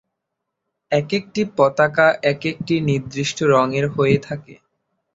একেকটি পতাকা একেকটি নির্দিষ্ট রঙের হয়ে থাকে।